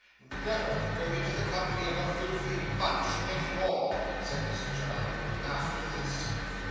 'Never go into the company of a filthy Punch any more,' said Mrs Jarley, 'after this.